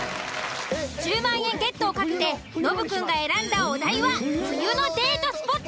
１０万円ゲットを懸けてノブくんが選んだお題は「冬のデートスポット」。